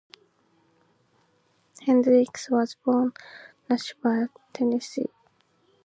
Hendricks was born in Nashville, Tennessee.